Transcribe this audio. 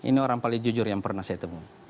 ini orang paling jujur yang pernah saya temu